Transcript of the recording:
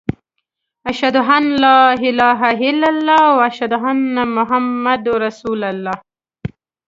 اشهد ان لا اله الا الله و اشهد ان محمد رسول الله.